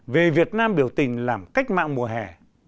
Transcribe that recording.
về việt nam biểu tình làm cách mạng mùa hè